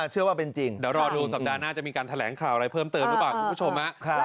เดี๋ยวรอดูสัปดาห์หน้าจะมีการแถลงข่าวอะไรเพิ่มเติมถูกป่ะคุณผู้ชม